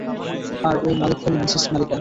আর ওই মালিক হল মিসেস মালিকা।